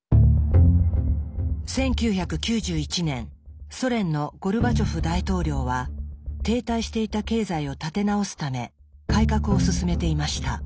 １９９１年ソ連のゴルバチョフ大統領は停滞していた経済を立て直すため改革を進めていました。